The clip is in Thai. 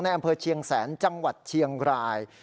อำเภอเชียงแสนจังหวัดเชียงราย